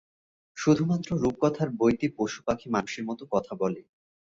শুধুমাত্র রূপকথার বইতে পশু-পাখি মানুষের মতো কথা বলে।